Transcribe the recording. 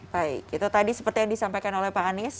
baik itu tadi seperti yang disampaikan oleh pak anies